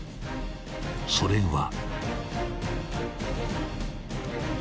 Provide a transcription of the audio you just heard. ［それは］